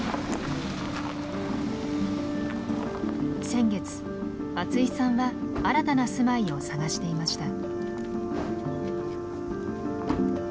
先月松井さんは新たな住まいを探していました。